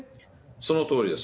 そのとおりです。